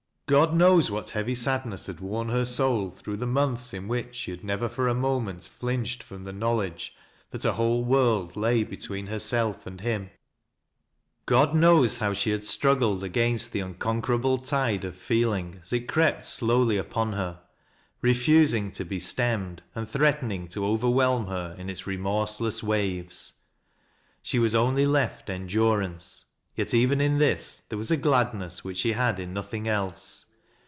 God knows what heavj sadness had worn her soul, through the months in whicL she had never fcr a moment flinched from the knowledge that a whole world lay between hereelf and him God knows how she had struggled against the unconquerable tide of feeling as it crept slowly upon her, refusing to be glemmod and threatening to overwhelm her in its roiaonw TELE OLD DANGER. I73 jess waves. She was only left endurance — ^yet even in this there was a gladness which she had in nothing else.